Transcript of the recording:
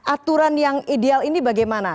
aturan yang ideal ini bagaimana